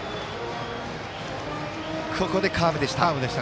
ここでカーブでした。